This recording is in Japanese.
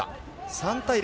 ３対０。